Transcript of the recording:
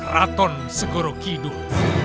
ratu segera hidup